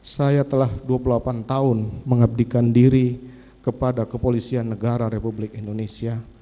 saya telah dua puluh delapan tahun mengabdikan diri kepada kepolisian negara republik indonesia